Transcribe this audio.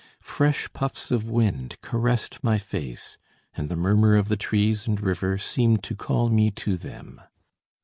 Fresh puffs of wind caressed my face, and the murmur of the trees and river seemed to call me to them.